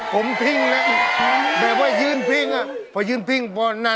ผมพิ่งอย่างกว่ายืนพิ่ง